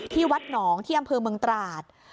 วัดหนองที่อำเภอเมืองตราด